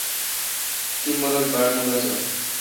تی مہ رل باڑ ملازہ۔